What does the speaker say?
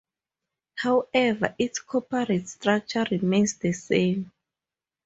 However, its corporate structure remains the same.